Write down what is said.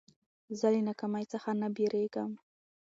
زه له ناکامۍ څخه نه بېرېږم.